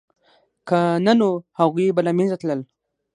که نه نو هغوی به له منځه تلل